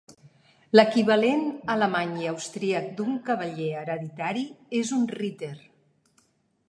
L'equivalent alemany i austríac d'un cavaller hereditari és un "Ritter".